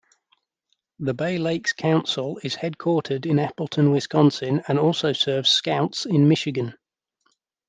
The Bay-Lakes Council is headquartered in Appleton, Wisconsin, and also serves Scouts in Michigan.